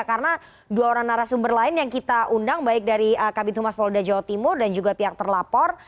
karena dua orang narasumber lain yang kita undang baik dari kabinet humas polda jawa timur dan juga pihak terlapor